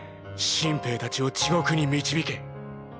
新兵たちを地獄に導け。